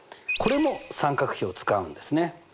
これも三角比を使うんですね。